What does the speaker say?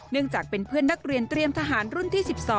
จากเป็นเพื่อนนักเรียนเตรียมทหารรุ่นที่๑๒